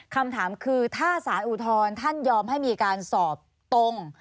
คำถามคือถ้าสารอุทธรณ์ท่านยอมให้มีการสอบตรง